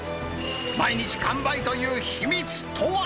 毎日完売という秘密とは。